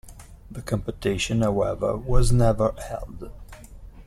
The competition, however, was never held.